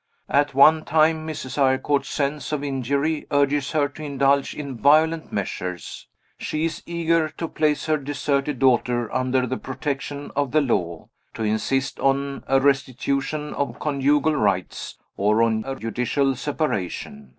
At one time, Mrs. Eyrecourt's sense of injury urges her to indulge in violent measures she is eager to place her deserted daughter under the protection of the law; to insist on a restitution of conjugal rights or on a judicial separation.